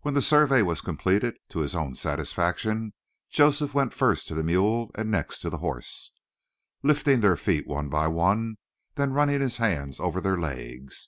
When the survey was completed to his own satisfaction, Joseph went first to the mule and next to the horse, lifting their feet one by one, then running his hands over their legs.